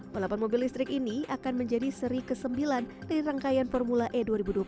balapan mobil listrik ini akan menjadi seri ke sembilan dari rangkaian formula e dua ribu dua puluh tiga